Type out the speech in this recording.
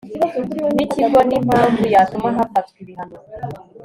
n ikigo ni impamvu yatuma hafatwa ibihano